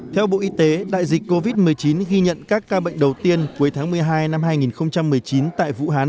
theo bộ y tế đại dịch covid một mươi chín ghi nhận các ca bệnh đầu tiên cuối tháng một mươi hai năm hai nghìn một mươi chín tại vũ hán